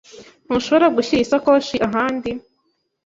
Ntushobora gushyira iyi sakoshi ahandi?